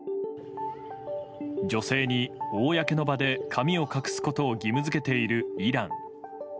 女性に、公の場で髪を隠すことを義務付けているイラン。